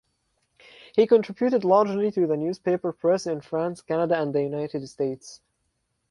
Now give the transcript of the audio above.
He contributed largely to the newspaper press in France, Canada, and the United States.